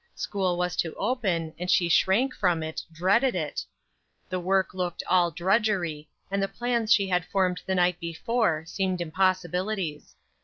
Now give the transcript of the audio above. School was to open, and she shrank from it, dreaded it. The work looked all drudgery, and the plans she had formed the night before seemed impossibilities.